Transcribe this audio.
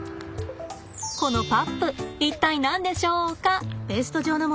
このパップ一体何でしょうか？